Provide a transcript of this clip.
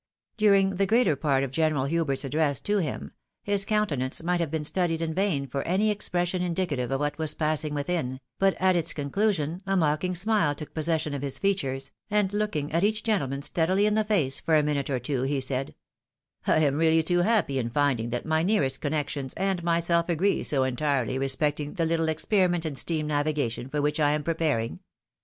During the greater part of General Hubert's address to him, his coxmtenance might have been studied in vain for any ex pression indicative of what was passing within, but at its con clusion a mocking smile took possession of his features, and looking at each gentleman steadily in the fece for a minute or two, he said —" I am reaUy too happy in finding that my nearest con nections and myself agree so entirely respecting the little expe riment in steam navigation for which I am preparing.